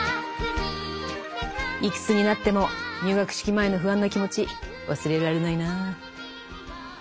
いくつになっても入学式前の不安な気持ち忘れられないなぁ。